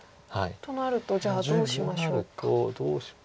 となるとじゃあどうしましょうか。